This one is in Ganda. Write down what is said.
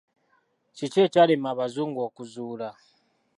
Kiki ekyalema abazungu okuzuula?